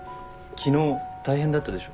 昨日大変だったでしょ。